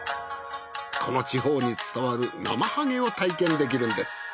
この地方に伝わるなまはげを体験できるんです。